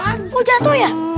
oh jatuh ya